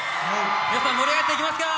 皆さん盛り上がっていけますか？